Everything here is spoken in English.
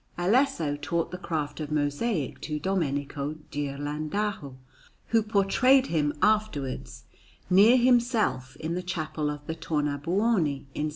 Alesso taught the craft of mosaic to Domenico Ghirlandajo, who portrayed him afterwards near himself in the Chapel of the Tornabuoni in S.